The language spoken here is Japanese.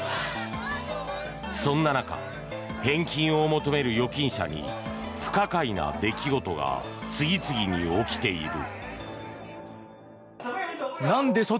そんな中、返金を求める預金者に不可解な出来事が次々に起きている。